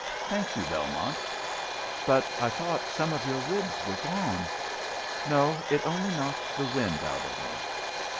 Thank you, Belmont!" "But I thought some of your ribs were gone." "No; it only knocked the wind out of me."